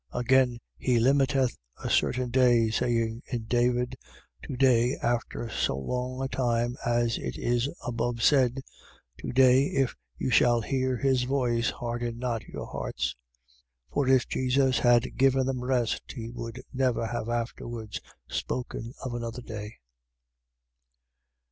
Again he limiteth a certain day, saying in David; To day, after so long a time as it is above said: To day if you shall hear his voice, harden not your hearts. 4:8. For if Jesus had given them rest he would never have afterwards spoken of another day.